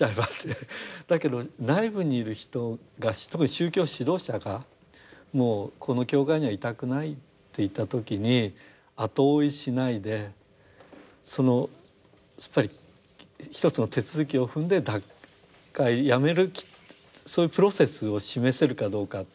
だけど内部にいる人が特に宗教指導者が「もうこの教会にはいたくない」と言った時に後追いしないですっぱり一つの手続きを踏んで脱会やめるそういうプロセスを示せるかどうか。